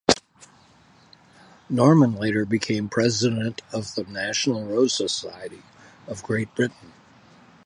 Norman later became president of the National Rose Society of Great Britain.